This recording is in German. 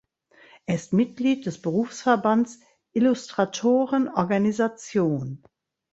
Er ist Mitglied des Berufsverbands "Illustratoren Organisation".